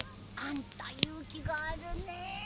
あんた勇気があるね。